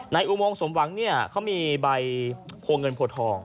ในอุโมงสมหวังเขามีใบพวงเงินพ่อทอง